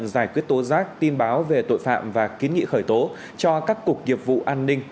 giải quyết tố giác tin báo về tội phạm và kiến nghị khởi tố cho các cục nghiệp vụ an ninh